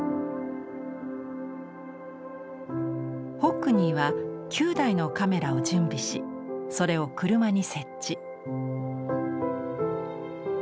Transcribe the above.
ホックニーは９台のカメラを準備しそれを車に設置。